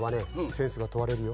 センスがとわれるよ。